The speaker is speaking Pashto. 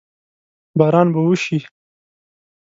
باران به وشي؟